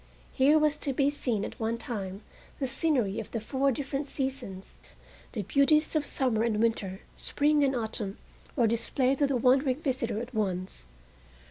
Here was to be seen at one time the scenery of the four different seasons; the beauties of summer and winter, spring and autumn, were displayed to the wondering visitor at once.